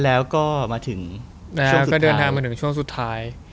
แล้วก็มาถึงช่วงก็เดินทางมาถึงช่วงสุดท้าย